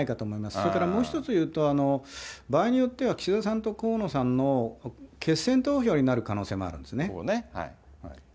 それからもう１つ言うと、場合によっては岸田さんと河野さんの決選投票になる可能性もあるここね。